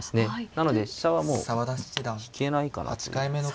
なので飛車はもう引けないかなという。